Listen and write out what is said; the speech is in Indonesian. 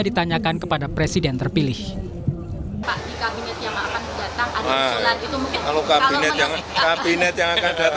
tidak boleh ada orang